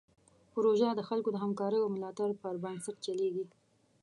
پروژه د خلکو د همکاریو او ملاتړ پر بنسټ چلیږي.